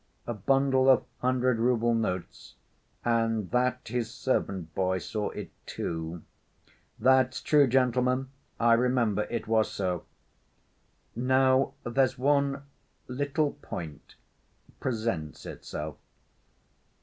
a bundle of hundred‐rouble notes, and that his servant‐boy saw it too." "That's true, gentlemen. I remember it was so." "Now, there's one little point presents itself.